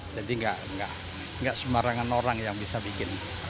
jadi enggak semarangan orang yang bisa bikin